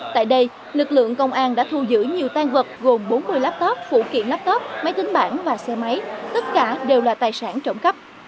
tại đây lực lượng công an đã thu giữ nhiều tan vật gồm bốn mươi laptop phụ kiện laptop máy tính bảng và xe máy tất cả đều là tài sản trộm cắp